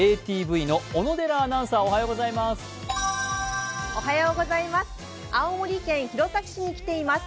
ＡＴＶの小野寺アナウンサー、おはようございます。